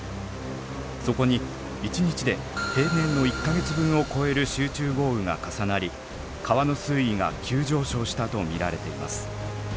そこに１日で平年の１か月分を超える集中豪雨が重なり川の水位が急上昇したと見られています。